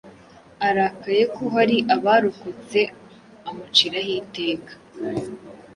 arakaye ko hari abarokotseamuciraho iteka